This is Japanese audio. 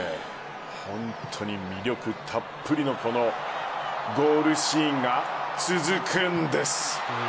本当に魅力たっぷりのこのゴールシーンが続くんです。